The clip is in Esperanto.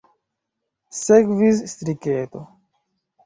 Sekvis striketo.